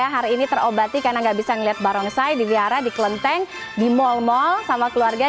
hari ini terobati karena nggak bisa ngeliat barongsai di wiara di kelonteng di mall mall sama keluarga